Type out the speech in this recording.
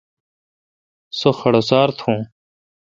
سو خڈوسار تھون۔